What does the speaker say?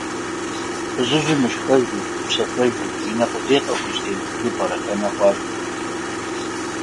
Фызыжьыр мышхэжу, мыпсэлъэжу, и нэ къудей къыхузэтемыхыжу пӀэрыхэнэ хъуащ.